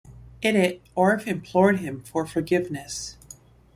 In it, Orff implored him for forgiveness.